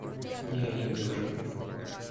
Я и не держу.